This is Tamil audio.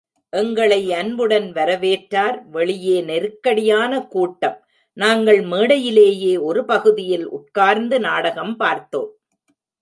எங்களை அன்புடன் வரவேற்றார், வெளியே நெருக்கடியான கூட்டம், நாங்கள் மேடையிலேயே ஒரு பகுதியில் உட்கார்ந்து நாடகம் பார்த்தோம்.